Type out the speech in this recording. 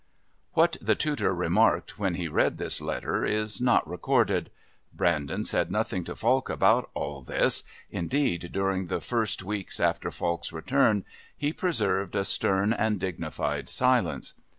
What the tutor remarked when he read this letter is not recorded. Brandon said nothing to Falk about all this. Indeed, during the first weeks after Falk's return he preserved a stern and dignified silence.